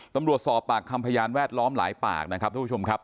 สอบปากคำพยานแวดล้อมหลายปากนะครับทุกผู้ชมครับ